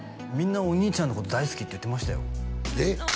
みんなお兄ちゃんのこと大好きって言ってましたよえっ？